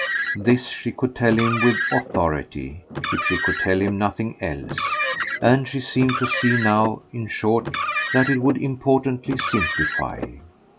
This she could tell him with authority, if she could tell him nothing else; and she seemed to see now, in short, that it would importantly simplify.